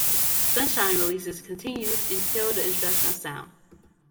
Sunshine releases continued until the introduction of sound.